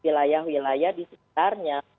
wilayah wilayah di sebetulnya